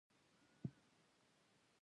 اگه چې وړوکی کار وکي ټيز يې په تبر نه ماتېږي.